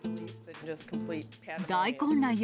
大混乱よ。